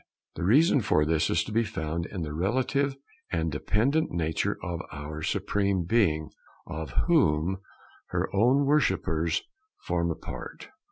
The reason for this is to be found in the relative and dependent nature of our Supreme Being, of whom her own worshippers form a part.